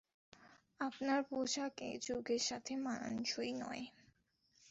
আপনার পোশাক এ যুগের সাথে মানানসই নয়।